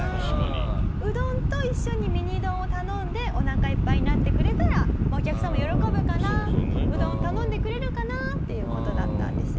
うどんと一緒にミニ丼を頼んでおなかいっぱいになってくれたらお客さんも喜ぶかなうどん頼んでくれるかなっていう事だったんですよ。